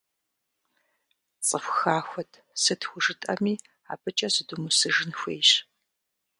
ЦӀыху хахуэт, сыт хужытӀэми, абыкӀэ зыдумысыжын хуейщ.